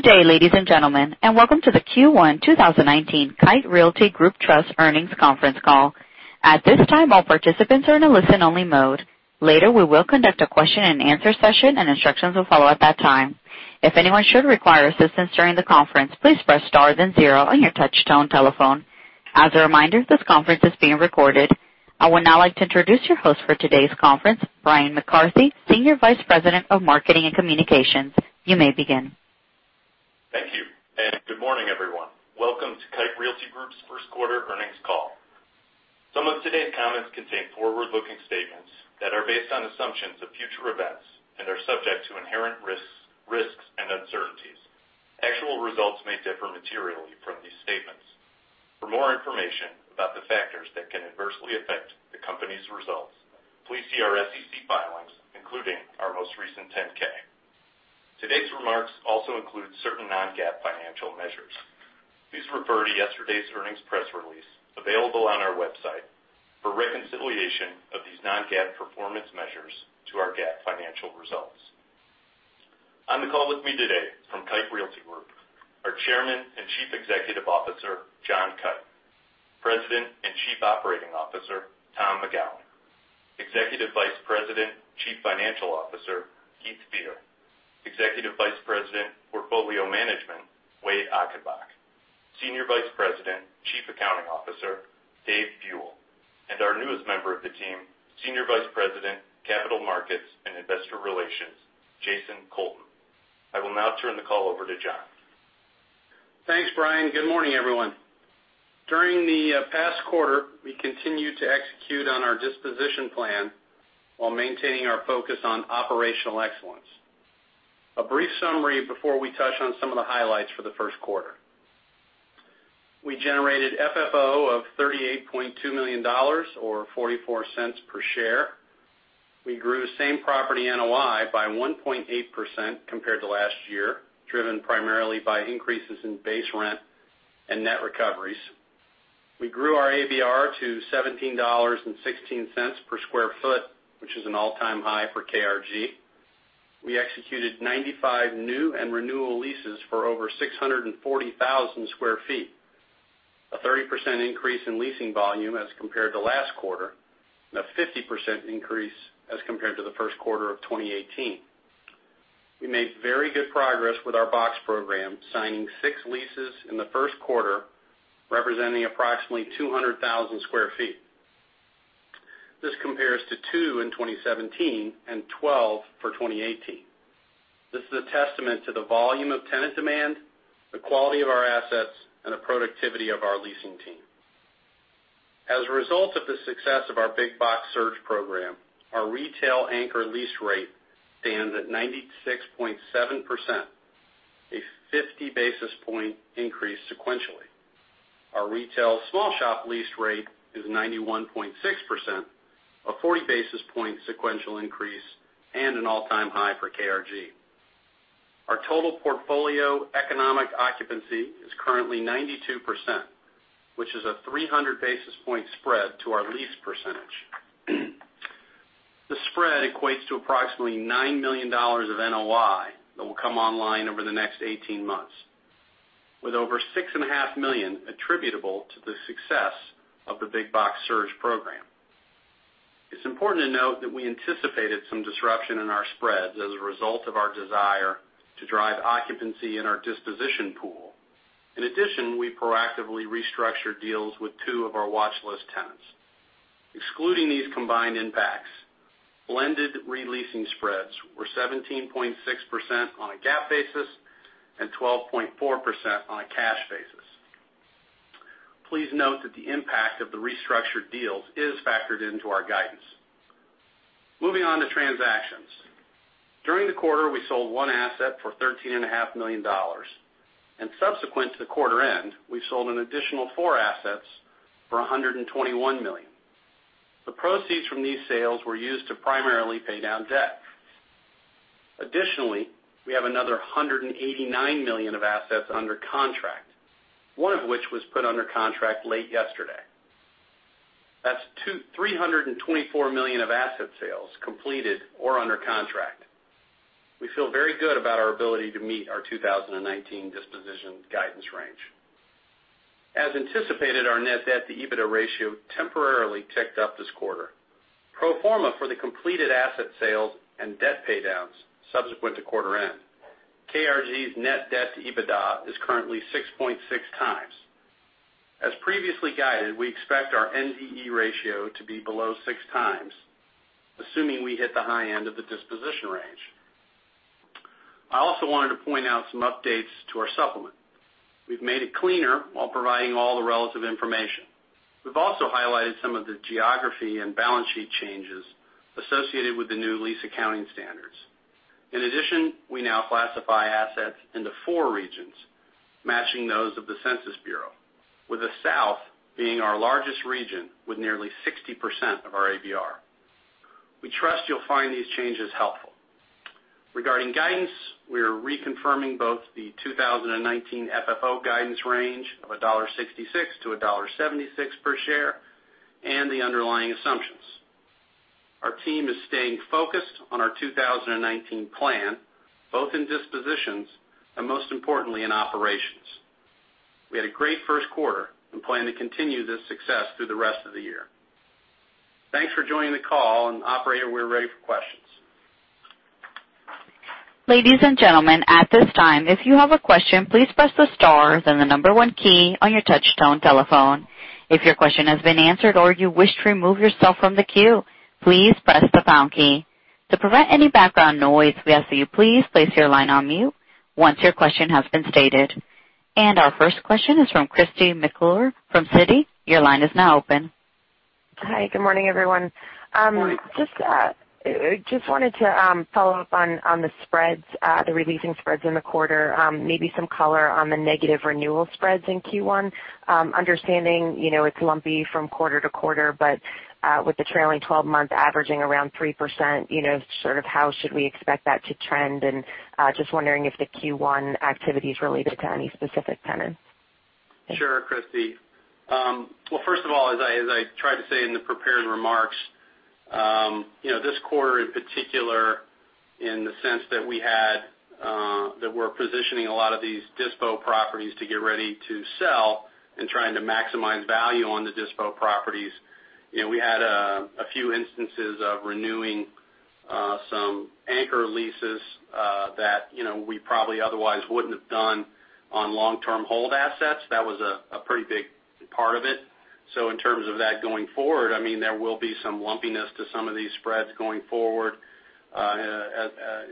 Good day, ladies and gentlemen, and welcome to the Q1 2019 Kite Realty Group Trust Earnings Conference Call. At this time, all participants are in a listen-only mode. Later, we will conduct a question and answer session, and instructions will follow at that time. If anyone should require assistance during the conference, please press star then zero on your touch-tone telephone. As a reminder, this conference is being recorded. I would now like to introduce your host for today's conference, Bryan McCarthy, Senior Vice President of Marketing and Communications. You may begin. Thank you. Good morning, everyone. Welcome to Kite Realty Group's first quarter earnings call. Some of today's comments contain forward-looking statements that are based on assumptions of future events and are subject to inherent risks and uncertainties. Actual results may differ materially from these statements. For more information about the factors that can adversely affect the company's results, please see our SEC filings, including our most recent 10-K. Today's remarks also include certain non-GAAP financial measures. Please refer to yesterday's earnings press release available on our website for reconciliation of these non-GAAP performance measures to our GAAP financial results. On the call with me today from Kite Realty Group, our Chairman and Chief Executive Officer, John Kite; President and Chief Operating Officer, Tom McGowan; Executive Vice President, Chief Financial Officer, Heath Fear; Executive Vice President, Portfolio Management, Wade Achenbach; Senior Vice President, Chief Accounting Officer, Dave Buell; and our newest member of the team, Senior Vice President, Capital Markets and Investor Relations, Jason Colton. I will now turn the call over to John. Thanks, Bryan. Good morning, everyone. During the past quarter, we continued to execute on our disposition plan while maintaining our focus on operational excellence. A brief summary before we touch on some of the highlights for the first quarter. We generated FFO of $38.2 million, or $0.44 per share. We grew same-property NOI by 1.8% compared to last year, driven primarily by increases in base rent and net recoveries. We grew our ABR to $17.16 per square foot, which is an all-time high for KRG. We executed 95 new and renewal leases for over 640,000 square feet. A 30% increase in leasing volume as compared to last quarter, and a 50% increase as compared to the first quarter of 2018. We made very good progress with our box program, signing six leases in the first quarter, representing approximately 200,000 square feet. This compares to two in 2017 and 12 for 2018. This is a testament to the volume of tenant demand, the quality of our assets, and the productivity of our leasing team. As a result of the success of our big box search program, our retail anchor lease rate stands at 96.7%, a 50-basis-point increase sequentially. Our retail small shop lease rate is 91.6%, a 40-basis-point sequential increase, and an all-time high for KRG. Our total portfolio economic occupancy is currently 92%, which is a 300-basis-point spread to our lease percentage. The spread equates to approximately $9 million of NOI that will come online over the next 18 months, with over $6.5 million attributable to the success of the big box surge program. It's important to note that we anticipated some disruption in our spreads as a result of our desire to drive occupancy in our disposition pool. In addition, we proactively restructured deals with two of our watchlist tenants. Excluding these combined impacts, blended re-leasing spreads were 17.6% on a GAAP basis and 12.4% on a cash basis. Please note that the impact of the restructured deals is factored into our guidance. Moving on to transactions. During the quarter, we sold one asset for $13.5 million, and subsequent to the quarter end, we sold an additional four assets for $121 million. The proceeds from these sales were used to primarily pay down debt. Additionally, we have another $189 million of assets under contract, one of which was put under contract late yesterday. That's two $324 million of asset sales completed or under contract. We feel very good about our ability to meet our 2019 disposition guidance range. As anticipated, our Net Debt to EBITDA ratio temporarily ticked up this quarter. Pro forma for the completed asset sales and debt paydowns subsequent to quarter end, KRG's Net Debt to EBITDA is currently 6.6 times. As previously guided, we expect our NDE ratio to be below six times, assuming we hit the high end of the disposition range. I also wanted to point out some updates to our supplement. We've made it cleaner while providing all the relative information. We've also highlighted some of the geography and balance sheet changes associated with the new lease accounting standards. In addition, we now classify assets into four regions, matching those of the U.S. Census Bureau, with the South being our largest region with nearly 60% of our ABR. We trust you'll find these changes helpful. Regarding guidance, we are reconfirming both the 2019 FFO guidance range of $1.66-$1.76 per share and the underlying assumptions. Our team is staying focused on our 2019 plan, both in dispositions and most importantly in operations. We had a great first quarter and plan to continue this success through the rest of the year. Thanks for joining the call. Operator, we're ready for questions. Ladies and gentlemen, at this time, if you have a question, please press the Star then the 1 key on your touchtone telephone. If your question has been answered or you wish to remove yourself from the queue, please press the pound key. To prevent any background noise, we ask that you please place your line on mute once your question has been stated. Our first question is from Christy McElroy from Citi. Your line is now open. Hi, good morning, everyone. Good morning. Just wanted to follow up on the spreads, the releasing spreads in the quarter, maybe some color on the negative renewal spreads in Q1. Understanding, it's lumpy from quarter to quarter, but with the trailing 12-month averaging around 3%, sort of how should we expect that to trend? Just wondering if the Q1 activity's related to any specific tenant. Sure, Christy. Well, first of all, as I tried to say in the prepared remarks, this quarter in particular, in the sense that we're positioning a lot of these dispo properties to get ready to sell and trying to maximize value on the dispo properties. We had a few instances of renewing some anchor leases that we probably otherwise wouldn't have done on long-term hold assets. That was a pretty big part of it. In terms of that going forward, there will be some lumpiness to some of these spreads going forward,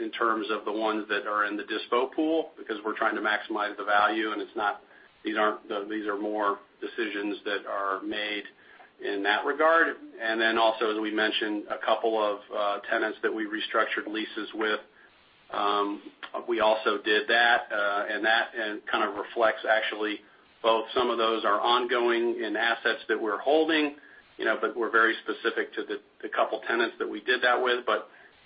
in terms of the ones that are in the dispo pool, because we're trying to maximize the value, and these are more decisions that are made in that regard. Also, as we mentioned, a couple of tenants that we restructured leases with. We also did that, and that kind of reflects actually both some of those are ongoing in assets that we're holding, but were very specific to the couple tenants that we did that with.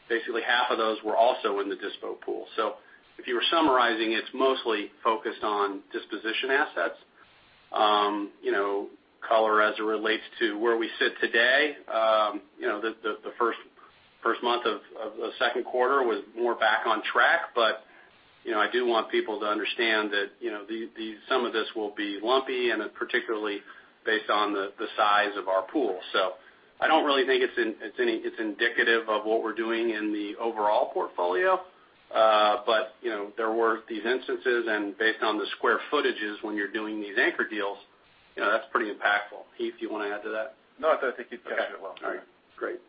Basically, half of those were also in the dispo pool. If you were summarizing, it's mostly focused on disposition assets, color as it relates to where we sit today. The first month of the second quarter was more back on track. I do want people to understand that some of this will be lumpy and particularly based on the size of our pool. I don't really think it's indicative of what we're doing in the overall portfolio. There were these instances and based on the square footages, when you're doing these anchor deals, that's pretty impactful. Heath, do you want to add to that? I think you've captured it well. Okay. All right. Great.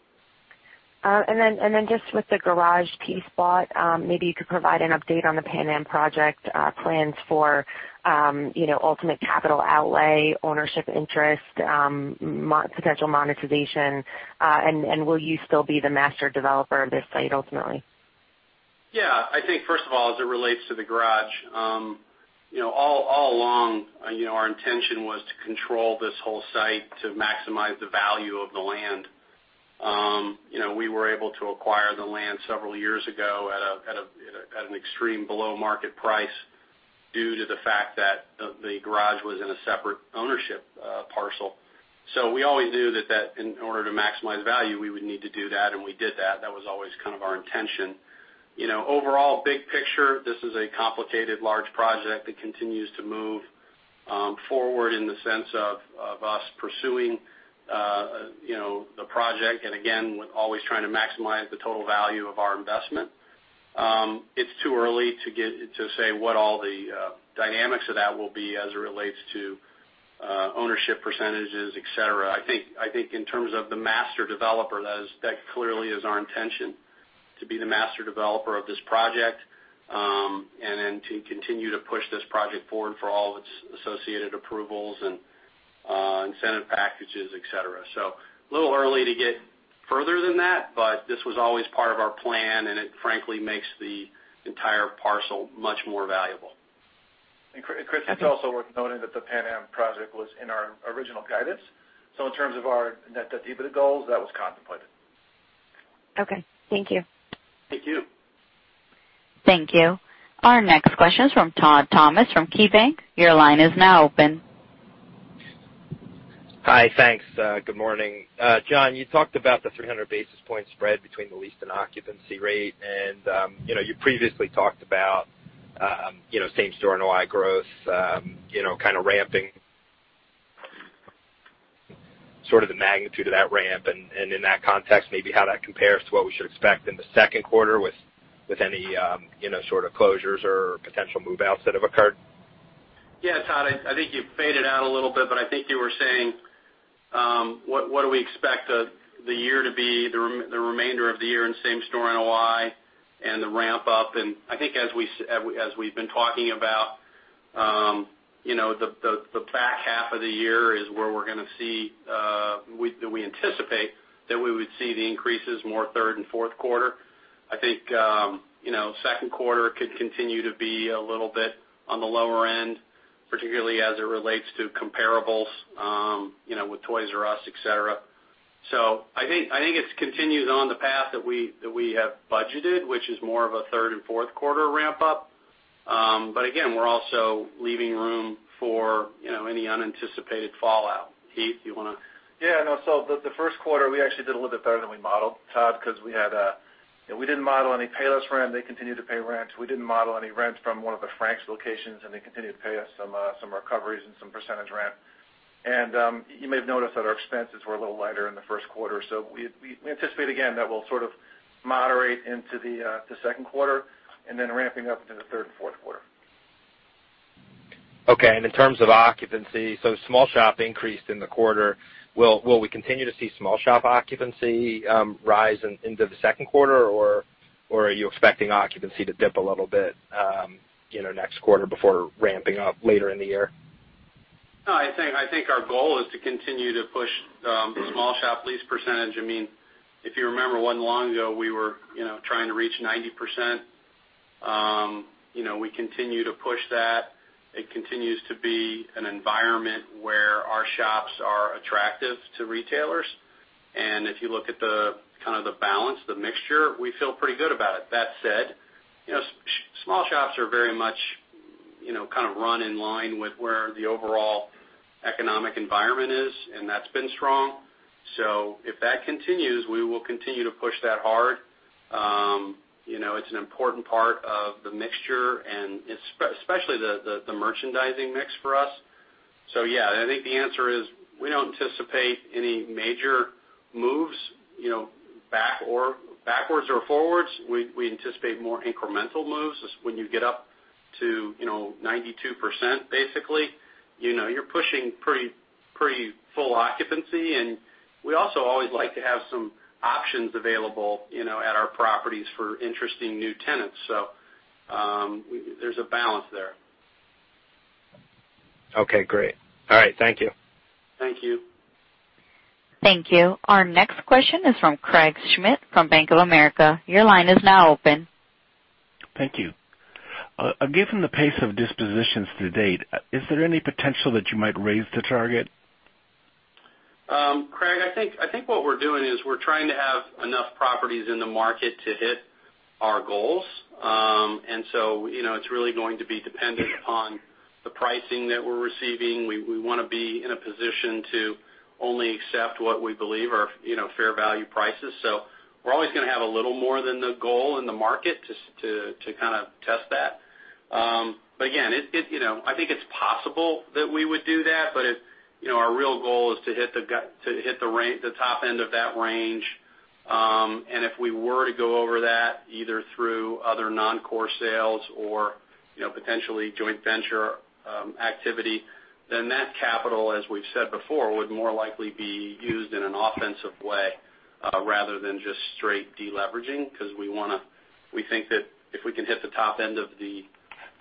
just with the garage piece spot, maybe you could provide an update on the Pan Am Plaza project plans for ultimate capital outlay, ownership interest, potential monetization, and will you still be the master developer of this site ultimately? I think first of all, as it relates to the garage, all along, our intention was to control this whole site to maximize the value of the land. We were able to acquire the land several years ago at an extreme below market price due to the fact that the garage was in a separate ownership parcel. We always knew that in order to maximize value, we would need to do that, and we did that. That was always kind of our intention. Overall, big picture, this is a complicated, large project that continues to move forward in the sense of us pursuing the project. again, always trying to maximize the total value of our investment. It's too early to say what all the dynamics of that will be as it relates to ownership percentages, et cetera. I think in terms of the master developer, that clearly is our intention, to be the master developer of this project. to continue to push this project forward for all of its associated approvals and incentive packages, et cetera. a little early to get further than that, but this was always part of our plan, and it frankly makes the entire parcel much more valuable. Christy, it's also worth noting that the Pan Am Plaza project was in our original guidance. in terms of our net debt EBITDA goals, that was contemplated. Okay. Thank you. Thank you. Thank you. Our next question is from Todd Thomas from KeyBanc. Your line is now open. Hi. Thanks. Good morning. John, you talked about the 300 basis point spread between the leased and occupancy rate and you previously talked about same-store NOI growth kind of ramping, sort of the magnitude of that ramp, and in that context, maybe how that compares to what we should expect in the second quarter with any sort of closures or potential move-outs that have occurred. Yeah, Todd, I think you faded out a little bit. I think you were saying, what do we expect the year to be, the remainder of the year in same-store NOI and the ramp up. I think as we've been talking about the back half of the year is where we anticipate that we would see the increases more third and fourth quarter. I think, second quarter could continue to be a little bit on the lower end, particularly as it relates to comparables, with Toys 'R' Us, et cetera. I think it continues on the path that we have budgeted, which is more of a third and fourth quarter ramp-up. But again, we're also leaving room for any unanticipated fallout. Heath, you want to? Yeah, no. The first quarter, we actually did a little bit better than we modeled, Todd, because we didn't model any Payless rent. They continued to pay rent. We didn't model any rent from one of the Frank's locations, and they continued to pay us some recoveries and some percentage rent. You may have noticed that our expenses were a little lighter in the first quarter. We anticipate again, that we'll sort of moderate into the second quarter and then ramping up into the third and fourth quarter. Okay. In terms of occupancy, small shop increased in the quarter. Will we continue to see small shop occupancy rise into the second quarter, or are you expecting occupancy to dip a little bit next quarter before ramping up later in the year? No, I think our goal is to continue to push the small shop lease percentage. If you remember, not long ago, we were trying to reach 90%. We continue to push that. It continues to be an environment where our shops are attractive to retailers. If you look at the balance, the mixture, we feel pretty good about it. That said, small shops are very much run in line with where the overall economic environment is, and that's been strong. If that continues, we will continue to push that hard. It's an important part of the mixture and especially the merchandising mix for us. Yeah, I think the answer is we don't anticipate any major moves backwards or forwards. We anticipate more incremental moves. When you get up to 92%, basically, you're pushing pretty full occupancy. We also always like to have some options available at our properties for interesting new tenants. There's a balance there. Okay, great. All right. Thank you. Thank you. Thank you. Our next question is from Craig Schmidt from Bank of America. Your line is now open. Thank you. Given the pace of dispositions to date, is there any potential that you might raise the target? Craig, I think what we're doing is we're trying to have enough properties in the market to hit our goals. It's really going to be dependent upon the pricing that we're receiving. We want to be in a position to only accept what we believe are fair value prices. We're always going to have a little more than the goal in the market to kind of test that. Again, I think it's possible that we would do that, but our real goal is to hit the top end of that range. If we were to go over that, either through other non-core sales or potentially joint venture activity, that capital, as we've said before, would more likely be used in an offensive way, rather than just straight deleveraging, because we think that if we can hit the top end of the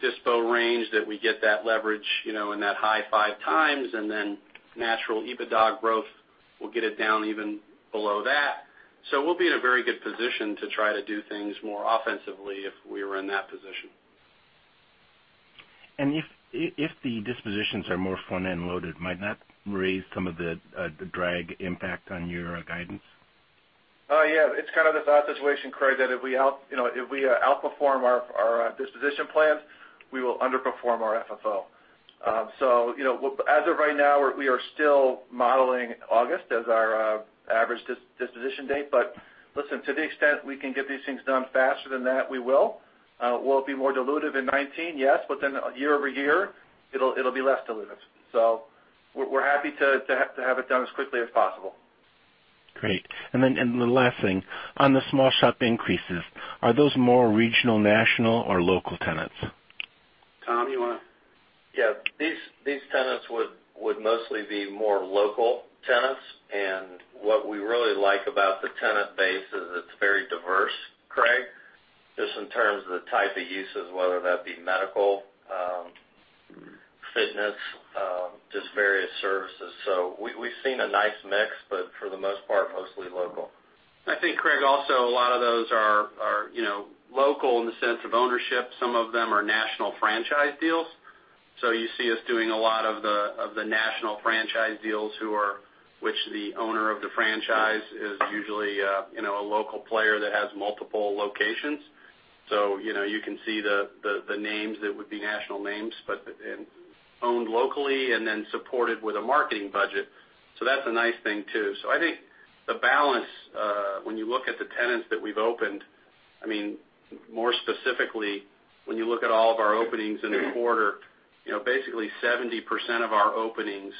dispo range, that we get that leverage in that high 5x, and then natural EBITDA growth will get it down even below that. We'll be in a very good position to try to do things more offensively if we were in that position. If the dispositions are more front-end loaded, might that raise some of the drag impact on your guidance? Yeah. It's kind of the thought situation, Craig, that if we outperform our disposition plan, we will underperform our FFO. As of right now, we are still modeling August as our average disposition date, listen, to the extent we can get these things done faster than that, we will. Will it be more dilutive in 2019? Yes, year-over-year, it'll be less dilutive. We're happy to have it done as quickly as possible. Great. The last thing, on the small shop increases, are those more regional, national, or local tenants? Tom, you want to? Yeah. These tenants would mostly be more local tenants, what we really like about the tenant base is it's very diverse, Craig, just in terms of the type of uses, whether that be medical, fitness, just various services. We've seen a nice mix, for the most part, mostly local. I think Craig Schmidt, also, a lot of those are local in the sense of ownership. Some of them are national franchise deals. You see us doing a lot of the national franchise deals, which the owner of the franchise is usually a local player that has multiple locations. You can see the names that would be national names, but owned locally and then supported with a marketing budget. That's a nice thing too. I think the balance, when you look at the tenants that we've opened, more specifically, when you look at all of our openings in the quarter, basically 70% of our openings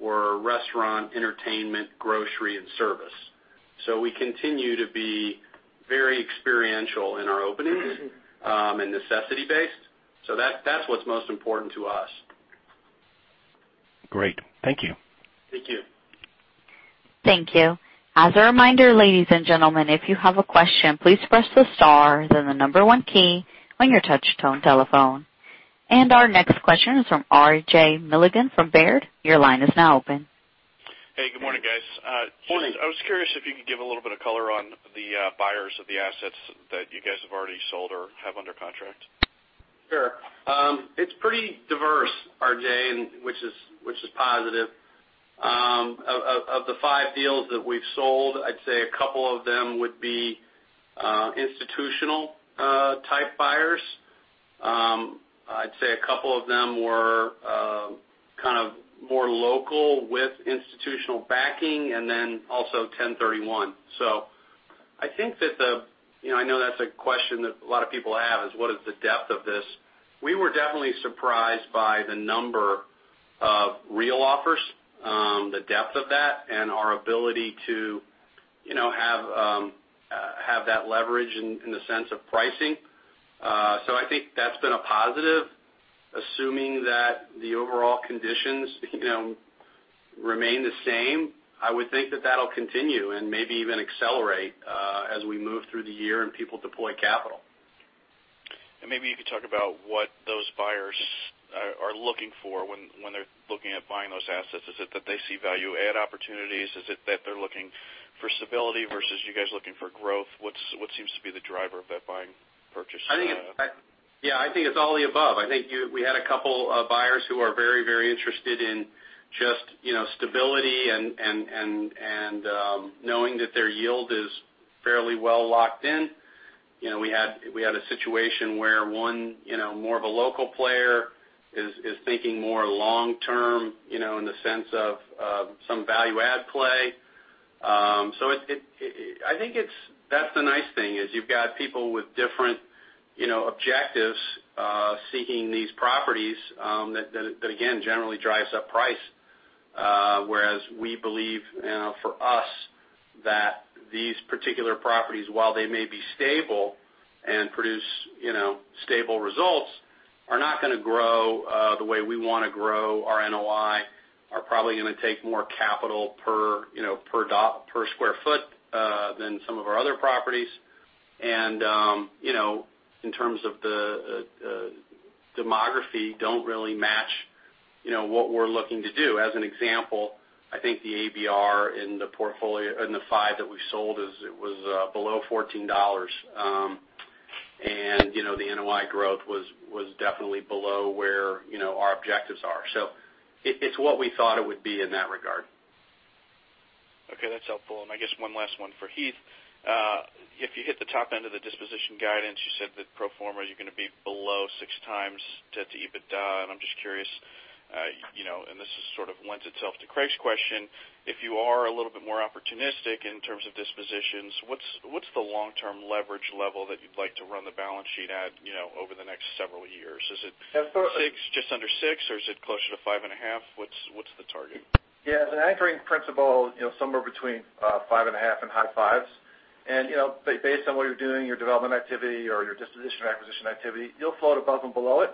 were restaurant, entertainment, grocery, and service. We continue to be very experiential in our openings, and necessity based. That's what's most important to us. Great. Thank you. Thank you. Thank you. As a reminder, ladies and gentlemen, if you have a question, please press the star, then the number one key on your touchtone telephone. Our next question is from RJ Milligan from Baird. Your line is now open. Hey, good morning, guys. Morning. I was curious if you could give a little bit of color on the buyers of the assets that you guys have already sold or have under contract. Sure. It's pretty diverse, RJ, which is positive. Of the five deals that we've sold, I'd say a couple of them would be institutional-type buyers. I'd say a couple of them were kind of more local with institutional backing, and then also 1031. I know that's a question that a lot of people have is what is the depth of this? We were definitely surprised by the number of real offers, the depth of that, and our ability to have that leverage in the sense of pricing. I think that's been a positive, assuming that the overall conditions remain the same. I would think that that'll continue and maybe even accelerate as we move through the year and people deploy capital. Maybe you could talk about what those buyers are looking for when they're looking at buying those assets. Is it that they see value add opportunities? Is it that they're looking for stability versus you guys looking for growth? What seems to be the driver of that buying purchase? Yeah, I think it's all the above. I think we had a couple of buyers who are very interested in just stability and knowing that their yield is fairly well locked in. We had a situation where one, more of a local player, is thinking more long-term, in the sense of some value add play. I think that's the nice thing, is you've got people with different objectives seeking these properties, that again, generally drives up price. Whereas we believe, for us, that these particular properties, while they may be stable and produce stable results, are not gonna grow the way we wanna grow our NOI, are probably gonna take more capital per square foot than some of our other properties. In terms of the demography, don't really match what we're looking to do. As an example, I think the ABR in the five that we sold was below $14. The NOI growth was definitely below where our objectives are. It's what we thought it would be in that regard. Okay, that's helpful. I guess one last one for Heath. If you hit the top end of the disposition guidance, you said that pro forma, you're gonna be below six times debt to EBITDA, and I'm just curious, and this sort of lends itself to Craig's question, if you are a little bit more opportunistic in terms of dispositions, what's the long-term leverage level that you'd like to run the balance sheet at over the next several years? Is it? Absolutely six, just under six, or is it closer to five and a half? What's the target? Yeah. As an anchoring principle, somewhere between five and a half and high fives. Based on what you're doing, your development activity or your disposition or acquisition activity, you'll float above and below it.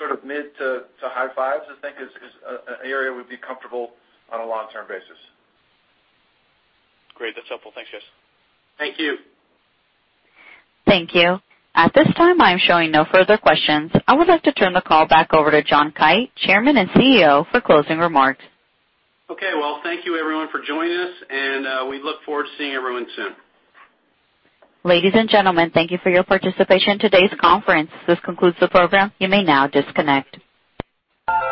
Sort of mid to high fives, I think, is an area we'd be comfortable on a long-term basis. Great. That's helpful. Thanks, guys. Thank you. Thank you. At this time, I am showing no further questions. I would like to turn the call back over to John Kite, Chairman and CEO, for closing remarks. Okay, well, thank you everyone for joining us, and we look forward to seeing everyone soon. Ladies and gentlemen, thank you for your participation in today's conference. This concludes the program. You may now disconnect.